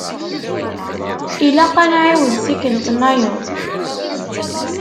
Ilaq ad nɛiwed tikelt-nnayeḍ.